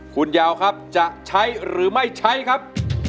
คุณยาวครับจะใช้หรือไม่ใช้ครับ